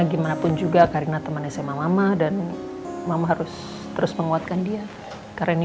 gimanapun juga karena temannya sama mama dan mama harus terus menguatkan dia karena ini